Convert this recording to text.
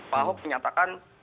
pak ahok menyatakan